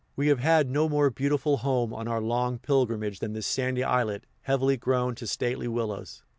We have had no more beautiful home on our long pilgrimage than this sandy islet, heavily grown to stately willows.